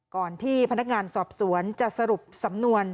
ที่พนักงานสอบสวนจะสรุปสำนวน